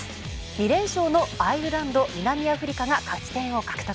２連勝のアイルランドと南アフリカが勝ち点を獲得。